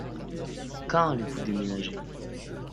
Quand allez-vous déménager ?